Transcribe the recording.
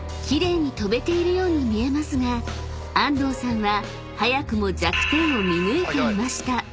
［奇麗に跳べているように見えますが安藤さんは早くも弱点を見抜いていました］